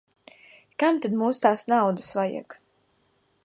Kam tad mums tās naudas vajag.